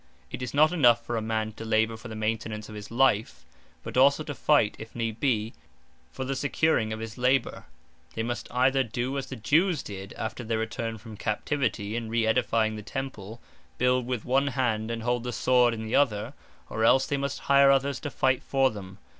It is not enough, for a man to labour for the maintenance of his life; but also to fight, (if need be,) for the securing of his labour. They must either do as the Jewes did after their return from captivity, in re edifying the Temple, build with one hand, and hold the Sword in the other; or else they must hire others to fight for them.